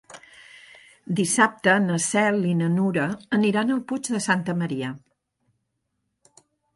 Dissabte na Cel i na Nura aniran al Puig de Santa Maria.